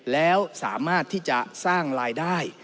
แล้วสามารถที่จะสร้างรายได้